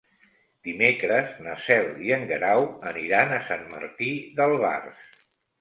Dimecres na Cel i en Guerau aniran a Sant Martí d'Albars.